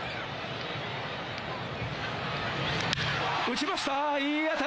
打ちました。